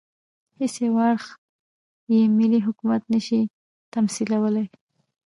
هېڅ یو اړخ یې ملي حکومت نه شي تمثیلولای.